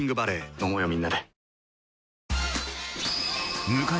飲もうよみんなで。